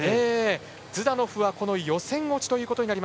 ズダノフは予選落ちです。